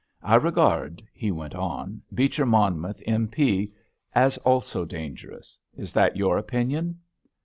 I regard," he went on, "Beecher Monmouth, M.P., as also dangerous. Is that your opinion?"